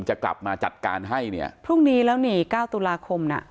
จะกลับมาจัดการให้พรุ่งนี้แล้วนี่๙ตุลาคม